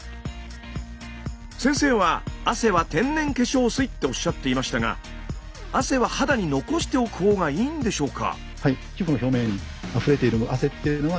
先生は汗は天然化粧水っておっしゃっていましたが汗は肌に残しておくほうがいいんでしょうか？